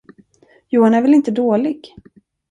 Johan är väl inte dålig?